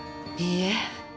いいえ。